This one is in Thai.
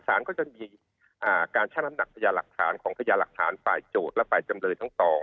สารก็จะมีการชั่งน้ำหนักพยาหลักฐานของพญาหลักฐานฝ่ายโจทย์และฝ่ายจำเลยทั้งสอง